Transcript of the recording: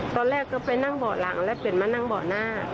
ตอนแรกก็ไปนั่งเบาะหลังแล้วเปลี่ยนมานั่งเบาะหน้า